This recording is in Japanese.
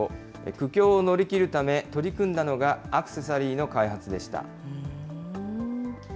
苦境を乗り切るため取り組んだのが、アクセサリーの開発でした。